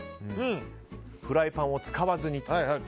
フライパンを使わずに。